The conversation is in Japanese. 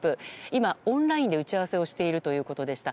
今、オンラインで打ち合わせをしているということでした。